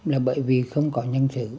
là bởi vì không có nhân sử